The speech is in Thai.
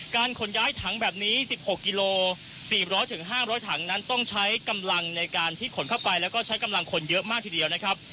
การขนย้ายถังแบบนี้สิบหกกิโลสี่ร้อยถึงห้ามร้อยถังนั้นต้องใช้กำลังในการทิศขนเข้าไปแล้วก็ใช้กำลังขนเยอะมากทีเดียวนะครับ